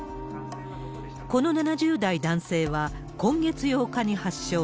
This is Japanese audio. この７０代男性は、今月８日に発症。